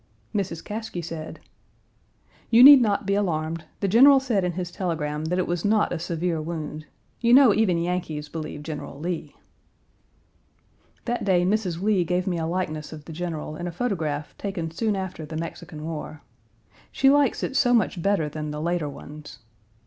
Mrs. Caskie said: "You need not be alarmed. The General said in his telegram that it was not a severe wound. You know even Yankees believe General Lee." That day, Mrs. Lee gave me a likeness of the General in a photograph taken soon after the Mexican War. She likes it so much better than the later ones.